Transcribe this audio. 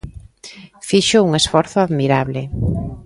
Fixo un esforzo admirable.